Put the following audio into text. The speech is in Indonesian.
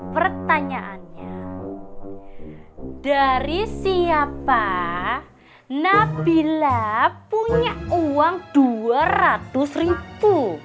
pertanyaannya dari siapa nabila punya uang rp dua ratus